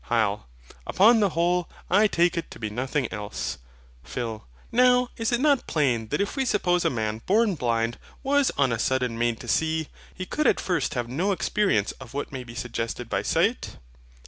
HYL. Upon the whole, I take it to be nothing else. PHIL. Now, is it not plain that if we suppose a man born blind was on a sudden made to see, he could at first have no experience of what may be SUGGESTED by sight?